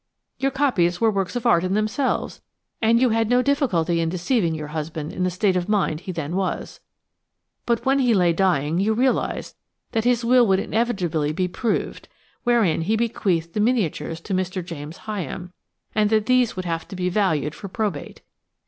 Your copies were works of art in themselves, and you had no difficulty in deceiving your husband in the state of mind he then was, but when he lay dying you realised that his will would inevitably be proved, wherein he bequeathed the miniatures to Mr. James Hyam, and that these would have to be valued for probate.